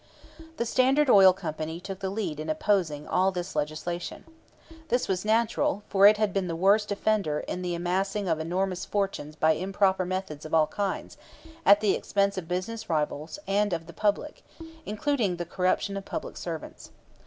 The Standard Oil Company took the lead in opposing all this legislation. This was natural, for it had been the worst offender in the amassing of enormous fortunes by improper methods of all kinds, at the expense of business rivals and of the public, including the corruption of public servants.